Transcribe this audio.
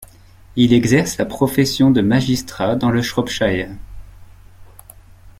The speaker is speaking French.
Il exerce la profession de magistrat dans le Shropshire.